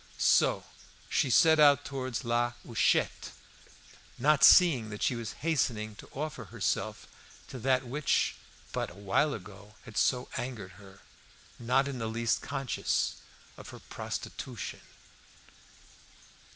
So she set out towards La Huchette, not seeing that she was hastening to offer herself to that which but a while ago had so angered her, not in the least conscious of her prostitution.